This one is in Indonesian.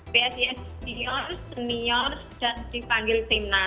psis senior senior dan dipanggil timnas